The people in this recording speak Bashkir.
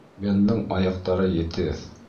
Бендың аяҡтары етеҙ.